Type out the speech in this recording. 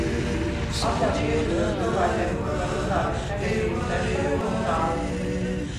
Atļaut ieceļot cilvēkiem, kuri var uzrādīt negatīvu testa rezultātu?